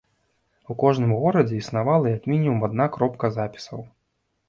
У кожным горадзе існавала як мінімум адна кропка запісаў.